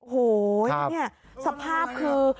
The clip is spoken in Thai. โหนี่สภาพคือ